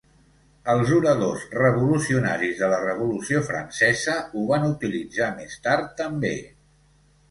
Els oradors revolucionaris de la Revolució Francesa ho van utilitzar més tard també.